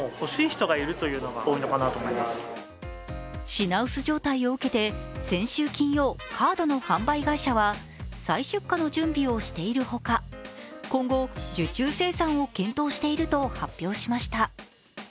品薄状態を受けて先週金曜、カードの販売会社は再出荷の準備をしているほか今後、受注生産を検討していると発表しました。